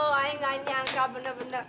oh ayah nggak nyangka bener bener